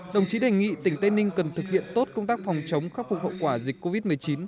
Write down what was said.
đồng chí đề nghị tỉnh tây ninh cần thực hiện tốt công tác phòng chống khắc phục hậu quả dịch covid một mươi chín